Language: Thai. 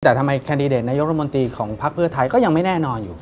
แต่ทำไมแคนดิเดตนายกรมนตรีของพักเพื่อไทยก็ยังไม่แน่นอนอยู่